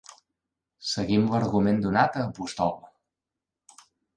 Seguim l'argument donat a Apostol.